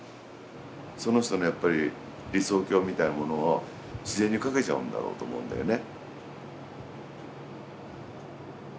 その人のやっぱり理想郷みたいなものを自然に描けちゃうんだろうと思うんだよね。